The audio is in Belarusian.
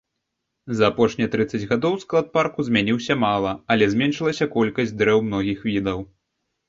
За апошнія трыццаць гадоў склад парку змяніўся мала, але зменшылася колькасць дрэў многіх відаў.